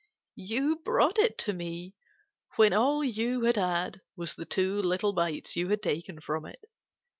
"You brought it to me when all you had had was the two little bites you had taken from it.